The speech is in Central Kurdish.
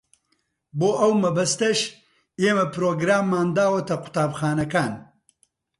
بۆ ئەو مەبەستەش ئێمە پرۆگراممان داوەتە قوتابخانەکان.